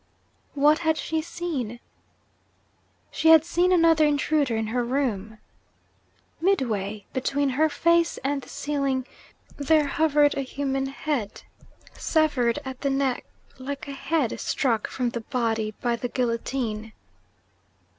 What had she seen? She had seen another intruder in her room. Midway between her face and the ceiling, there hovered a human head severed at the neck, like a head struck from the body by the guillotine.